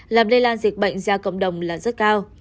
làm lây lan dịch bệnh ra cộng đồng là rất cao